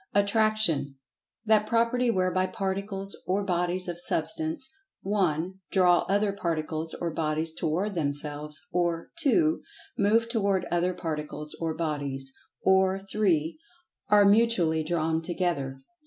Attraction: That property whereby particles or bodies of Substance (1) draw other particles or bodies toward themselves; or (2) move toward other particles or bodies; or (3) are mutually drawn together.